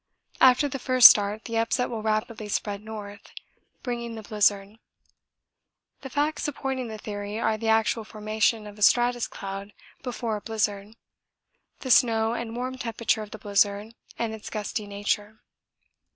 After the first start the upset will rapidly spread north, bringing the blizzard. The facts supporting the theory are the actual formation of a stratus cloud before a blizzard, the snow and warm temperature of the blizzard and its gusty nature.